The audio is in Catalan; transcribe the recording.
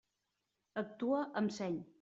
Actua amb seny.